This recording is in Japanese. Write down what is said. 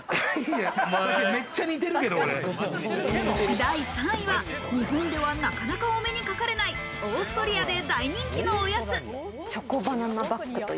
第３位は、日本ではなかなかお目にかかれない、オーストリアで大人気のおやつ。